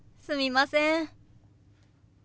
すみません。